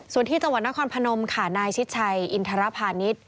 ส่วนที่จังหวัดนครพนมค่ะนายชิดชัยอินทรภานิษฐ์